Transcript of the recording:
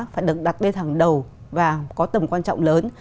phải được đặt bên hàng đầu và có tầm quan trọng lớn